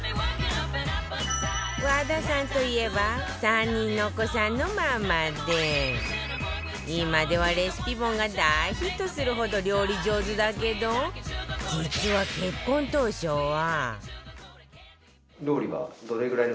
和田さんといえば今ではレシピ本が大ヒットするほど料理上手だけど実は結婚当初は